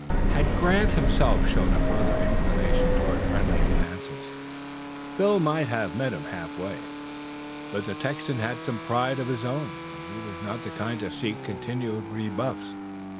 Had Grant himself shown a further inclination to friendly advances Phil might have met him halfway, but the Texan had some pride of his own, and he was not the kind to seek continued rebuffs.